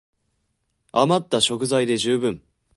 あまった食材で充分